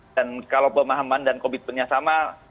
dan kalau pemahaman dan covid sembilan belas nya sama